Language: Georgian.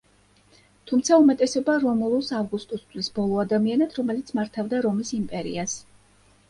თუმცა უმეტესობა რომულუს ავგუსტუსს თვლის ბოლო ადამიანად, რომელიც მართავდა რომის იმპერიას.